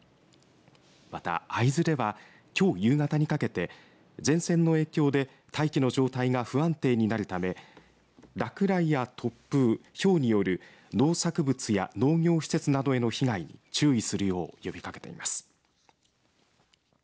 また、会津ではきょう夕方にかけて前線の影響で大気の状態が不安定になるため落雷や突風、ひょうによる農作物や農業施設などへの被害に注意するよう呼びかけています。